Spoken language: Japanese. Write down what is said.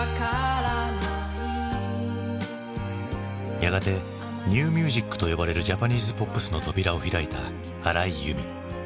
やがてニューミュージックと呼ばれるジャパニーズポップスの扉を開いた荒井由実。